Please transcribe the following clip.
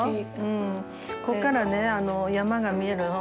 ここからね山が見えるの。